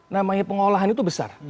namanya pengolahan itu besar